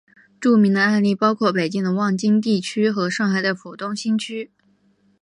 著名的案例包括北京的望京地区和上海的浦东新区。